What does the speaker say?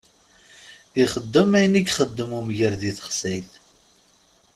Ixeddem ayen i ixeddem umger di texsayt.